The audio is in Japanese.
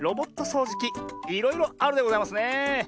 そうじきいろいろあるでございますねえ。